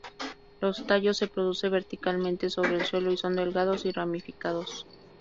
Los tallos se produce verticalmente sobre el suelo y son delgados y ramificados.